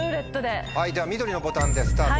緑のボタンでスタート